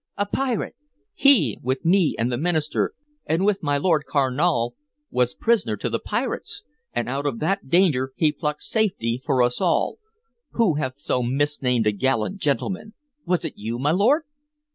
A pirate! He, with me and with the minister and with my Lord Carnal, was prisoner to the pirates, and out of that danger he plucked safety for us all! Who hath so misnamed a gallant gentleman? Was it you, my lord?"